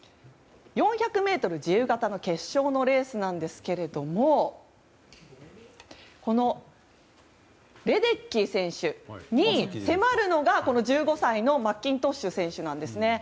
４００ｍ自由形の決勝のレースですがレデッキー選手に迫るのが１５歳のマッキントッシュ選手なんです。